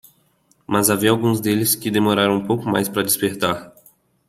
Mas havia alguns deles que demoraram um pouco mais para despertar.